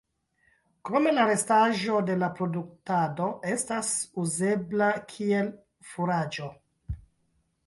Krome la restaĵo de la produktado estas uzebla kiel furaĝo.